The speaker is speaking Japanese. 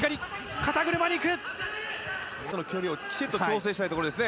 肩の距離をきちんと調整したいところですね。